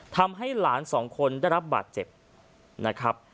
ทำให้หลานสองคนได้รับบาดเจ็บนะครับ